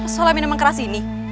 soalnya minum keras ini